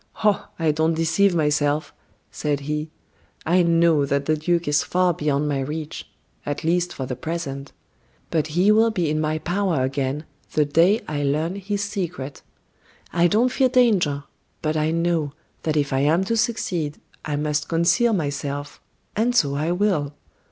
"Oh! I don't deceive myself," said he. "I know that the duke is far beyond my reach at least for the present. But he will be in my power again, the day I learn his secret. I don't fear danger; but I know, that if I am to succeed, I must conceal myself, and so I will.